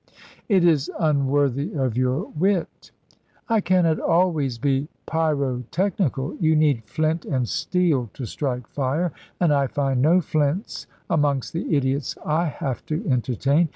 "It is unworthy of your wit." "I cannot always be pyrotechnical. You need flint and steel to strike fire, and I find no flints amongst the idiots I have to entertain.